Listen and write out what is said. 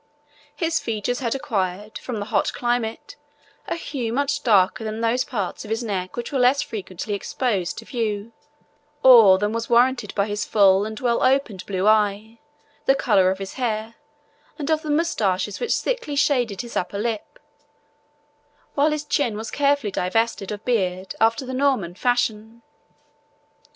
His features had acquired, from the hot climate, a hue much darker than those parts of his neck which were less frequently exposed to view, or than was warranted by his full and well opened blue eye, the colour of his hair, and of the moustaches which thickly shaded his upper lip, while his chin was carefully divested of beard, after the Norman fashion.